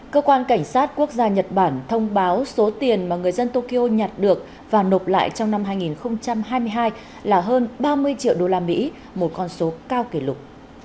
cơ quan cảnh sát quốc gia nhật bản thông báo số tiền mà người dân tokyo nhặt được và nộp lại trong năm hai nghìn hai mươi hai là hơn ba mươi triệu đô la mỹ một con số cao kỷ lục